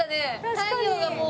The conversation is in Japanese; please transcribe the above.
太陽がもう。